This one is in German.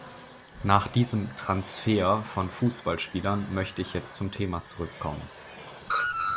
Nach diesem "Transfer" von Fußballspielern möchte ich jetzt zum Thema zurückkommen.